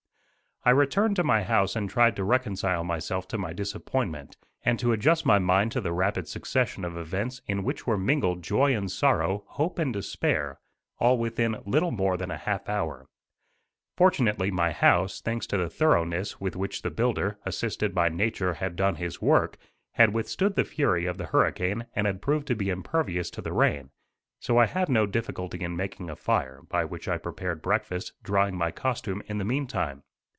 I returned to my house and tried to reconcile myself to my disappointment, and to adjust my mind to the rapid succession of events in which were mingled joy and sorrow, hope and despair, all within little more than a half hour. Fortunately my house, thanks to the thoroughness with which the builder, assisted by nature, had done his work, had withstood the fury of the hurricane and had proved to be impervious to the rain, so I had no difficulty in making a fire, by which I prepared breakfast, drying my costume in the meantime.